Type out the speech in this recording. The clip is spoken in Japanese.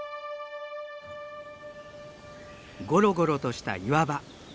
ゴロゴロとした岩場。